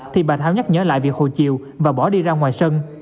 thì bà thao nhắc nhớ lại việc hồ chiều và bỏ đi ra ngoài sân